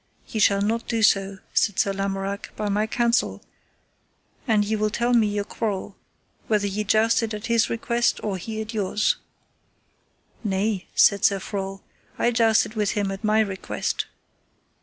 Ye shall not do so, said Sir Lamorak, by my counsel, an ye will tell me your quarrel, whether ye jousted at his request, or he at yours. Nay, said Sir Frol, I jousted with him at my request.